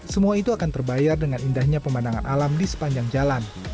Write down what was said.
semua itu akan terbayar dengan indahnya pemandangan alam di sepanjang jalan